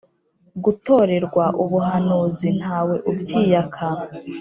Gutorerwa ubuhanuzi nta we ubyiyaka